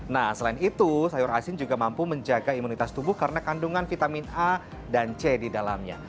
nah selain itu sayur asin juga mampu menjaga imunitas tubuh karena kandungan vitamin a dan c di dalamnya